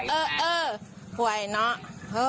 เออกัวไว้เนาะ